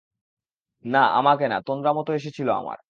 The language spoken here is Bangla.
না, আমাকে না, তন্দ্রামতো এসেছিল আমার।